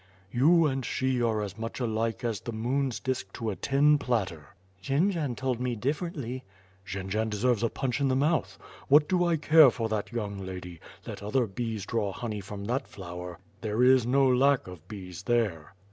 "You and she are as much alike as the moon's disk to a tin platter." "Jendzian told me differently." "Jendzian deserves a punch in the mouth. What do I care for that young lady: let other bees draw honey from that flower; there is no lack of bees there."